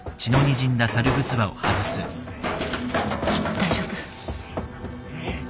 大丈夫？